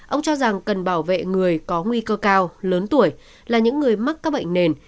ông cho rằng cần bảo vệ người có nguy cơ cao lớn tuổi là những người mắc các bệnh nền